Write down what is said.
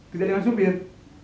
tidak dengan sopir